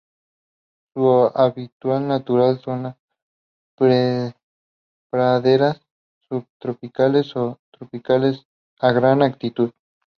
Su hábitat natural son las praderas subtropicales o tropicales a gran altitud.